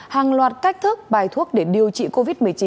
hàng loạt cách thức bài thuốc để điều trị covid một mươi chín